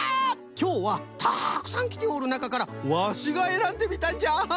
きょうはたくさんきておるなかからわしがえらんでみたんじゃ！